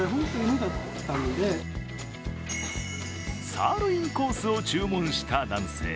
サーロインコースを注文した男性。